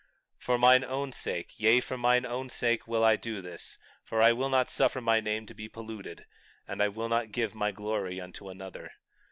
20:11 For mine own sake, yea, for mine own sake will I do this, for I will not suffer my name to be polluted, and I will not give my glory unto another.